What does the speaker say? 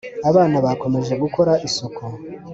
abana bakomeje gukora isuku